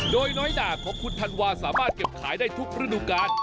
โดยน้อยหนาของคุณธันวาสามารถเก็บขายได้ทุกฤดูกาล